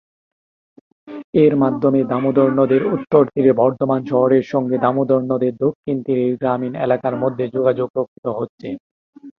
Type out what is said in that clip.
এর মাধ্যমে দামোদর নদের উত্তর তীরের বর্ধমান শহরের সঙ্গে দামোদর নদের দক্ষিণ তীরের গ্রামীণ এলাকার মধ্যে যোগাযোগ রক্ষিত হচ্ছে।